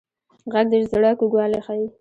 غږ د زړه کوږوالی ښيي